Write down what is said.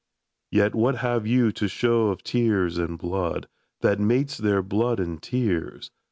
Yet what have you to show of tears and blood, That mates their blood and tears?